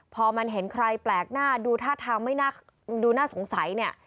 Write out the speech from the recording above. พอมันเห็นใครแปลกหน้าดูท่าทางไม่น่าดูน่าสงสัยเนี่ย